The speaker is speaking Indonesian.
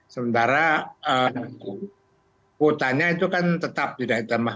sementara kuotanya itu kan tetap tidak ditambah